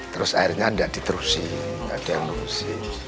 terus akhirnya tidak diterusi